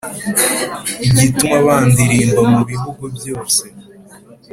igituma bandilimba mu bihugu byose,